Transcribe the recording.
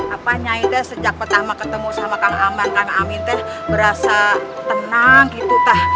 apa nyai teh sejak pertama ketemu sama kang aman kang amin teh berasa tenang gitu teh